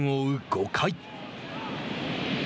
５回。